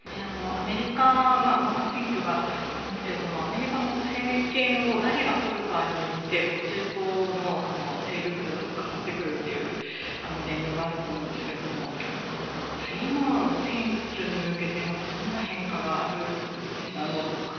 アメリカはまた選挙がありますけどもアメリカの政権を誰がとるかによって中東の勢力図が変わってくるという現状があると思いますが次の選挙に向けてどんな変化があるんでしょうか。